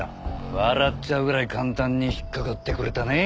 笑っちゃうぐらい簡単に引っかかってくれたねえ。